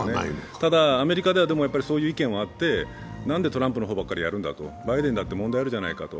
ただアメリカではそういう意見もあって、何でトランプの方ばっかりやるんだと、バイデンだって問題あるじゃないかと。